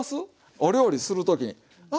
お料理する時にあ